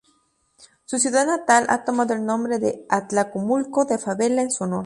Su ciudad natal ha tomado el nombre de Atlacomulco de Fabela, en su honor.